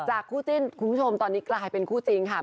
คู่จิ้นคุณผู้ชมตอนนี้กลายเป็นคู่จริงค่ะ